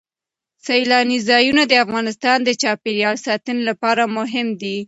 سیلانی ځایونه د افغانستان د چاپیریال ساتنې لپاره مهم دي.